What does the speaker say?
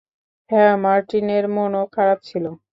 হ্যাঁ, মার্টিনের মনও খারাপ ছিলো।